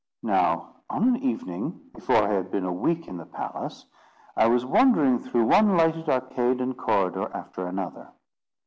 Now, on an evening, before I had been a week in the palace, I was wandering through one lighted arcade and corridor after another.